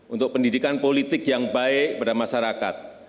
untuk pendidikan politik yang baik pada masyarakat